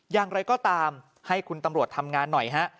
อย่างไรก็ตามให้คุณตำรวจทำงานหน่อยฮะ